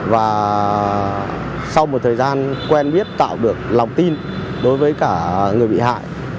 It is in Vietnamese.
và sau một thời gian quen biết tạo được lòng tin đối với cả người bị hại